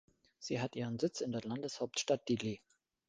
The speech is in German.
Sie hat ihren Sitz in der Landeshauptstadt Dili.